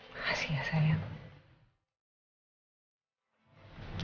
makasih ya sayang